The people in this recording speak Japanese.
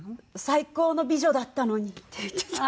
「最高の美女だったのに」って言ってた。